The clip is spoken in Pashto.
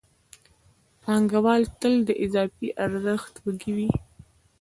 پانګوال تل د اضافي ارزښت وږی وي